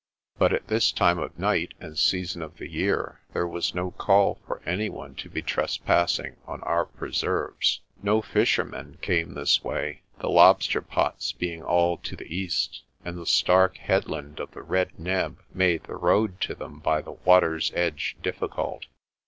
But at this time of night and season of the year there was no call for any one to be trespassing on our preserves. No fishermen came this way, the lobster pots being all to the east, and the stark headland of the Red Neb made the road to them by the water's edge difficult.